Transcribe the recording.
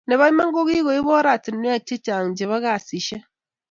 Nebo iman, kikoib oratinwek che chang chebo kasishek